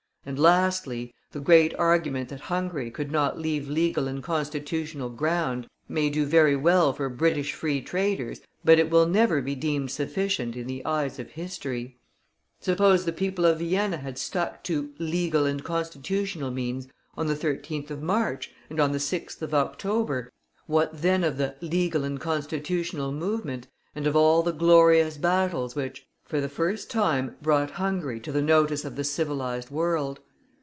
And lastly, the great argument that Hungary could not leave legal and constitutional ground, may do very well for British free traders, but it will never be deemed sufficient in the eyes of history. Suppose the people of Vienna had stuck to "legal and constitutional means" on the 13th of March, and on the 6th of October, what then of the "legal and constitutional" movement, and of all the glorious battles which, for the first time, brought Hungary to the notice of the civilized world?